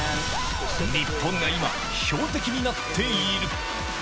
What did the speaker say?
日本が今、標的になっている。